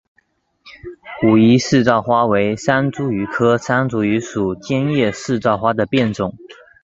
武夷四照花为山茱萸科山茱萸属尖叶四照花的变种。